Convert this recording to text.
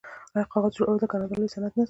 آیا کاغذ جوړول د کاناډا لوی صنعت نه دی؟